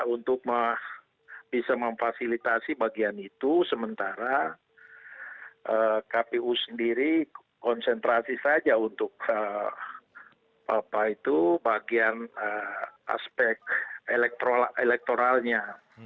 untuk bisa memfasilitasi bagian itu sementara kpu sendiri konsentrasi saja untuk bagian aspek elektoralnya